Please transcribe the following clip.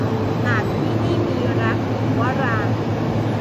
หากที่นี่มีรัก - วรางค์